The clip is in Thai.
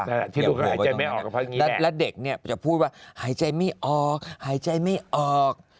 เหยียบหัวไปตรงนี้แล้วเด็กจะพูดว่าหายใจไม่ออกหายใจไม่ออก